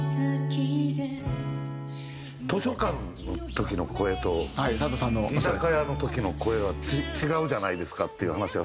図書館の時の声と居酒屋の時の声は違うじゃないですかっていう話がスゴく。